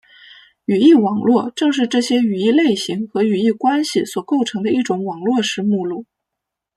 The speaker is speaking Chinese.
语义网络正是这些语义类型和语义关系所构成的一种网络式目录。